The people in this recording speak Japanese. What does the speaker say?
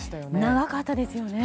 長かったですよね。